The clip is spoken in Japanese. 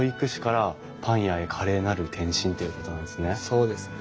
そうですね。